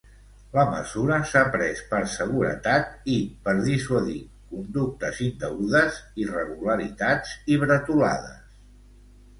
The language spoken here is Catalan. La mesura s'ha pres per seguretat i per dissuadir "conductes indegudes, irregularitats i bretolades".